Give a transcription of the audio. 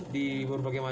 di berbagai macam